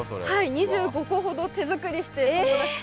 ２５個ほど手作りして友達と。